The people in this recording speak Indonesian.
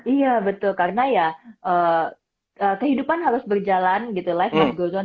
iya betul karena ya kehidupan harus berjalan gitu life goes on